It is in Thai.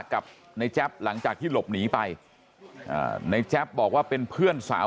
กับในแจ๊บหลังจากที่หลบหนีไปในแจ๊บบอกว่าเป็นเพื่อนสาว